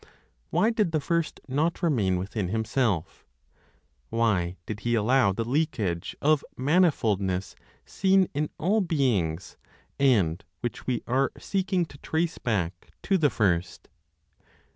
Why did the First not remain within Himself, why did He allow the leakage of manifoldness seen in all beings, and which we are seeking to trace back to the First?"